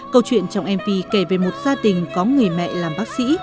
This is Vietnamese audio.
câu chuyện trong mv kể về một gia đình có người mẹ áo trắng